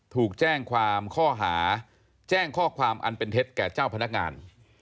ถูกแจ้งความข้อหาแจ้งข้อความอันเป็นเท็จแก่เจ้าพนักงาน